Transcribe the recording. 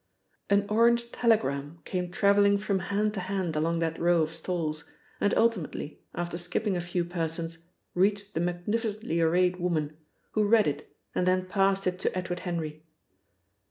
An orange telegram came travelling from hand to hand along that row of stalls, and ultimately, after skipping a few persons, reached the magnificently arrayed woman, who read it and then passed it to Edward Henry.